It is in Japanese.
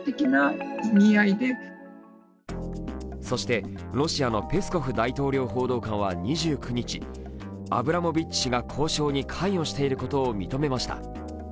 そして、ロシアのペスコフ大統領報道官は２９日アブラモビッチ氏が交渉に関与していることを認めました。